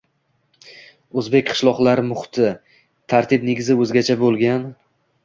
O‘zbek qishloqlari — muhiti, tartib-negizi o‘zgacha bo‘lgan